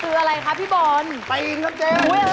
คืออะไรคะพี่บอลตีนคะเจมส์